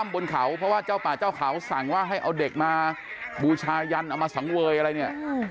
บนเขาเพราะว่าเจ้าป่าเจ้าเขาสั่งว่าให้เอาเด็กมาบูชายันเอามาสังเวยอะไรเนี่ย